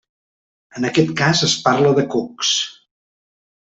En aquest cas es parla de cucs.